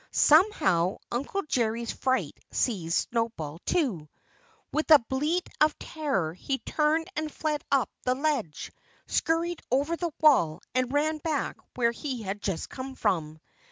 Somehow Uncle Jerry's fright seized Snowball, too. With a bleat of terror he turned and fled up the ledge, scurried over the wall, and ran back where he had just come from.